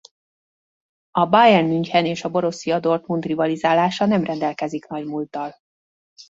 A Bayern München és a Borussia Dortmund rivalizálása nem rendelkezik nagy múlttal.